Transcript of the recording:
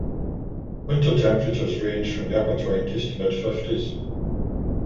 Winter temperatures range from the upper twenties to mid fifties.